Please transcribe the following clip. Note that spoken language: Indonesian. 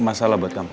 masalah buat kamu